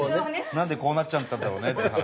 何でこうなっちゃったんだろうねって。